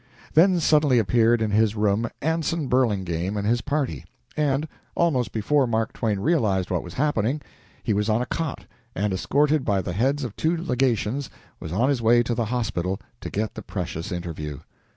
Then suddenly appeared in his room Anson Burlingame and his party, and, almost before Mark Twain realized what was happening, he was on a cot and, escorted by the heads of two legations, was on his way to the hospital to get the precious interview.